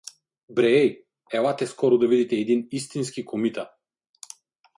— Бре-ей, елате скоро да видите един истински комита!